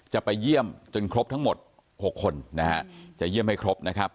จะไปเยี่ยมจนครบทั้งหมด๖คนนะฮะจะเยี่ยมให้ครบนะครับ